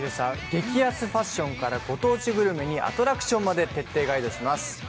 激安ファッションからご当地グルメにアトラクションまで徹底ガイドします。